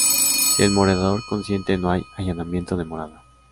Si el morador consiente no hay allanamiento de morada.